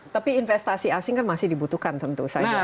tapi investasi asing kan masih dibutuhkan tentu saja